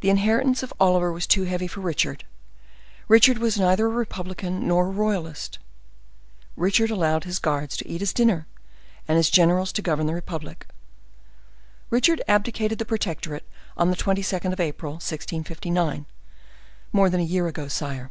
The inheritance of Oliver was too heavy for Richard. Richard was neither a republican nor a royalist; Richard allowed his guards to eat his dinner, and his generals to govern the republic; Richard abdicated the protectorate on the 22nd of April, 1659, more than a year ago, sire.